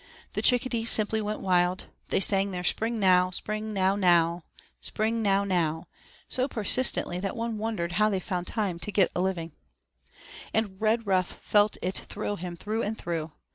The chickadees went simply wild; they sang their 'Spring now, spring now now Spring now now,' so persistently that one wondered how they found time to get a living. And Redruff felt it thrill him through and through.